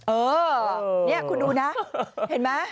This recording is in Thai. เออนี่คุณดูนะเห็นไหม